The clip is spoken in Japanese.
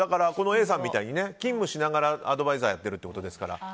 Ａさんみたいに勤務しながらアドバイザーやってるってことですから。